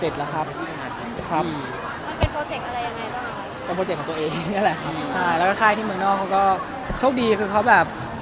แล้วก็ค่ายที่เมืองนอกเขาก็โชคดีคือเขาแบบ